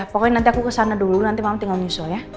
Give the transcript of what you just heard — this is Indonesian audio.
pokoknya nanti aku kesana dulu nanti malam tinggal nyusul ya